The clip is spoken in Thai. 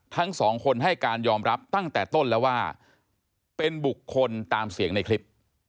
ทั้งสองคนให้การยอมรับตั้งแต่ต้นแล้วว่าเป็นบุคคลตามเสียงในคลิป